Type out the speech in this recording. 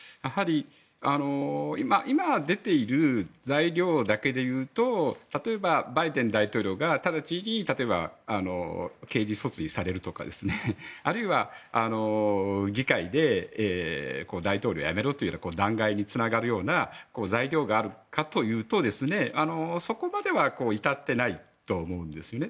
今、出ている材料だけで言うと例えば、バイデン大統領がただちに刑事訴追されるとかあるいは、議会で大統領を辞めろという弾劾につながるような材料があるかというとそこまでは至ってないと思うんですね。